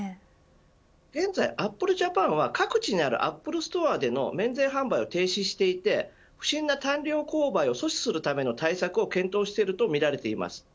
現在、アップルジャパンは各地にあるアップルストアでの免税販売を停止していて不審な大量購買を阻止するための対策を検討しているとみられます。